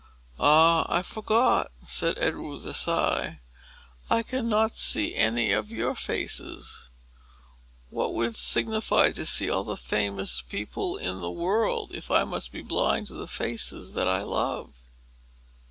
"Ah, I forgot!" said Edward, with a sigh. "I cannot see any of your faces. What would it signify to see all the famous people in the world, if I must be blind to the faces that I love?"